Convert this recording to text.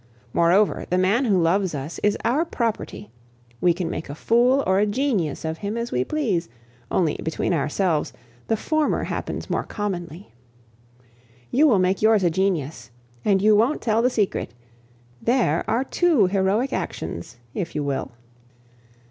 Moreover, the man who loves us is our property; we can make a fool or a genius of him as we please; only, between ourselves, the former happens more commonly. You will make yours a genius, and you won't tell the secret there are two heroic actions, if you will!